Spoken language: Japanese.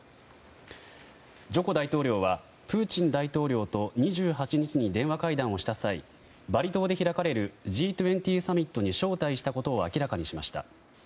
ジョコ大統領はプーチン大統領と２８日に電話会談をした際バリ島で開かれるＧ２０サミットに招待したことを明らかにしました。